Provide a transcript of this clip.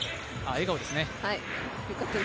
笑顔ですね。